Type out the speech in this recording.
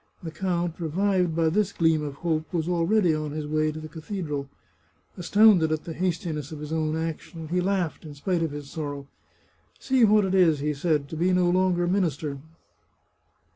The count, revived by this gleam of hope, was already on his way to the cathedral. Astounded at the hastiness of his own action, he laughed, in spite of his sorrow. " See what it is," he said, " to be no longer minister."